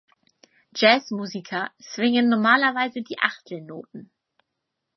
Jazzmusiker swingen normalerweise die Achtelnoten.